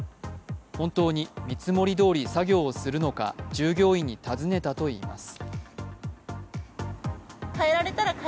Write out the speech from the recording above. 本当に見積もりどおり作業をするのか従業員に尋ねたといいます。